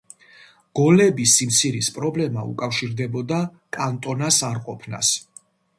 გოლების სიმცირის პრობლემა უკავშირდებოდა კანტონას არყოფნას.